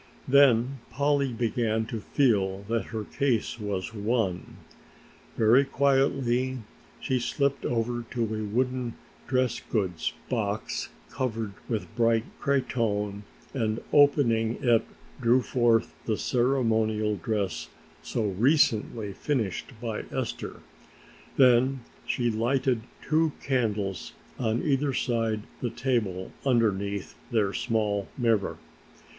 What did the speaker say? Then Polly began to feel that her case was won. Very quietly she slipped over to a wooden dress good's box covered with bright cretonne and, opening it, drew forth the ceremonial dress so recently finished by Esther, then she lighted two candles on either side the table underneath their small mirror.